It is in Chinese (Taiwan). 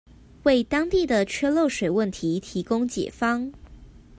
為當地的缺漏水問題提供解方